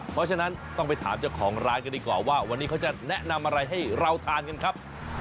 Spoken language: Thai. เพราะฉะนั้นต้องไปถามเจ้าของร้านกันดีกว่าว่าวันนี้เขาจะแนะนำอะไรให้เราทานกันครับ